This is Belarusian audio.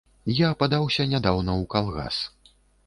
Я падаўся нядаўна ў калгас.